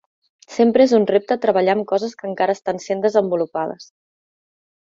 Sempre és un repte treballar amb coses que encara estan sent desenvolupades.